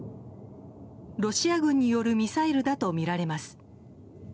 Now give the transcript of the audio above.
ロシア軍によるミサイルだとみられます。